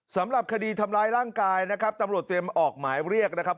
สำหรับคดีทำร้ายร่างกายนะครับตำรวจเตรียมออกหมายเรียกนะครับ